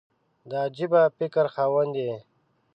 د عجبه فکر خاوند یې !